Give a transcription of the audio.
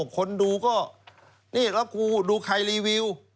คนดูก็นี่แล้วครูดูใครรีวิว